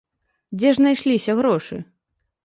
Дзе ж знайшліся грошы?